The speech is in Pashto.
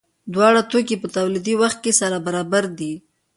دواړه توکي په تولیدي وخت کې سره برابر دي.